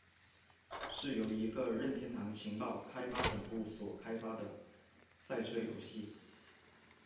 是一个由任天堂情报开发本部所开发的赛车游戏。